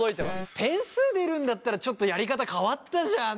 点数出るんだったらちょっとやり方変わったじゃん